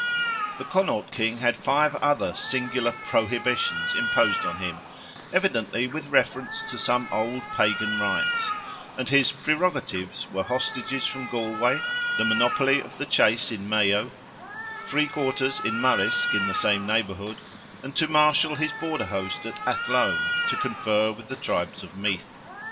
The Connaught King had five other singular "prohibitions" imposed on him—evidently with reference to some old Pagan rites—and his "prerogatives" were hostages from Galway, the monopoly of the chase in Mayo, free quarters in Murrisk, in the same neighbourhood, and to marshal his border host at Athlone to confer with the tribes of Meath.